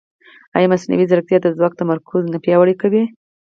ایا مصنوعي ځیرکتیا د ځواک تمرکز نه پیاوړی کوي؟